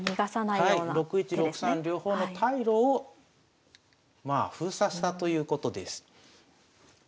６一６三両方の退路をまあ封鎖したということです。